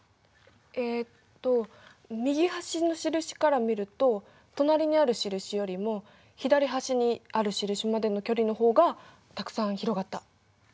えっと右端の印から見ると隣にある印よりも左端にある印までの距離の方がたくさん広がった。